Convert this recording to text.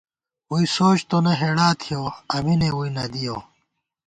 ووئی سوچ تونہ ہېڑا تھِیَؤ ، اَمینے ووئی نہ دِیَؤ